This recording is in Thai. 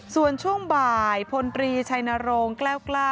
ส่วนช่วงบ่ายพลตรีชัยนโรงแก้วกล้า